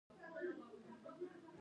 ډېر غرونه يې واؤرين دي ـ